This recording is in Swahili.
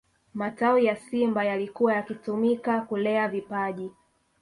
matawi ya simba yalikuwa yakitumika kulea vipaji